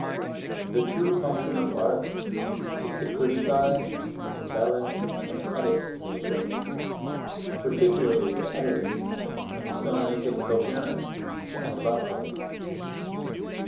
The true function of art is to criticise, embellish and edit nature particularly to edit it, and so make it coherent and lovely.